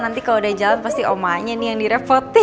nanti kalau udah jalan pasti omanya nih yang direpotin